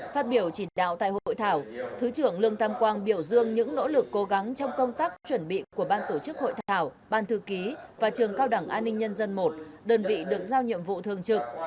phát biểu chỉ đạo tại hội thảo thứ trưởng lương tam quang biểu dương những nỗ lực cố gắng trong công tác chuẩn bị của ban tổ chức hội thảo ban thư ký và trường cao đẳng an ninh nhân dân một đơn vị được giao nhiệm vụ thường trực